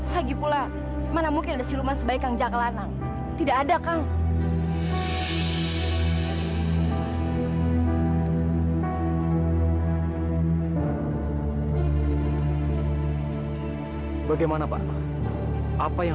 lagi pula mana mungkin ada siluman sebaiknya jakalanang tidak ada kang bagaimana pak apa yang